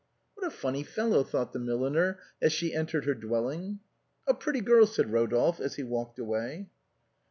" What a funny fellow," thought the milliner, as she entered her dwelling. " A pretty girl," said Rodolphe, as he walked away.